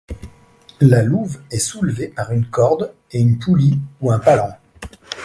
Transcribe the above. La louve est soulevée par une corde et une poulie ou un palan.